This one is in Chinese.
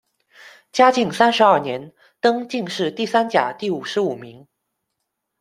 嘉靖三十二年，登进士第三甲第五十五名。